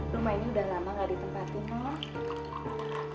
rumah ini udah lama nggak ditempati non